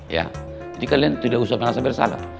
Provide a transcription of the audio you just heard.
jadi kalian tidak usah merasa bersalah